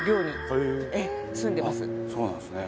そうなんですね。